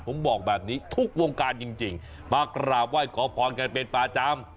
ผมบอกแบบนี้ทุกวงการจริงมากราบไหว้ขอพรกันเป็นประจำ